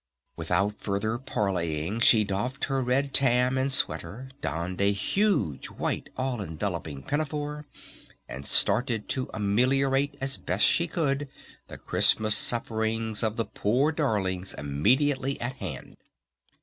Without further parleying she doffed her red tam and sweater, donned a huge white all enveloping pinafore, and started to ameliorate as best she could the Christmas sufferings of the "poor darlings" immediately at hand.